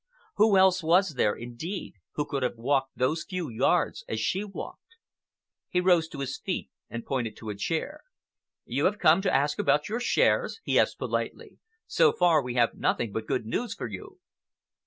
Who else was there, indeed, who could have walked those few yards as she walked? He rose to his feet and pointed to a chair. "You have come to ask about your shares?" he asked politely. "So far, we have nothing but good news for you."